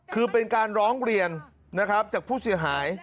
คือเป็นการร้องเรียนนะครับจากผู้เสียหาย